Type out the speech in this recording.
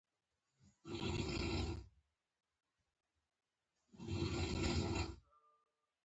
زبردست خان پښتون و له خپله قوله نه ګرځېدی.